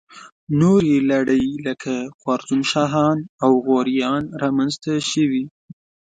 نورې لړۍ لکه خوارزم شاهان او غوریان را منځته شوې.